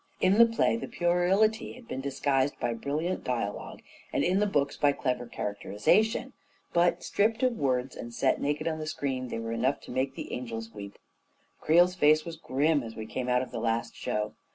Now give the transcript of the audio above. In the play, the puerility had been disguised by brilliant dialogue, and in the books by clever characterization; but stripped of words and set naked on the screen, they were enough to make the angels weep I Creel's face was grim as we came out of the last show.